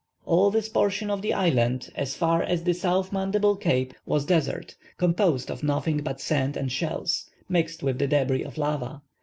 All this portion of the island, as far as South Mandible Cape, was desert, composed of nothing but sand and shells, mixed with the debris of lava.